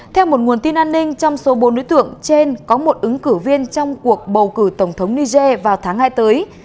theo một nguồn tin an ninh trong số bốn đối tượng trên có một ứng cử viên trong cuộc bầu cử tổng thống niger vào tháng hai tới